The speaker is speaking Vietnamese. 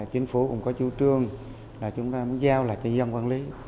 chính phủ cũng có chú trương là chúng ta muốn giao lại cho dân quản lý